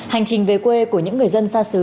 hành trình về quê của những người dân xa xứ